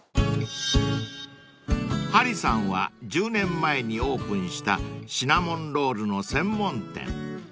［ｈａｒｉさんは１０年前にオープンしたシナモンロールの専門店］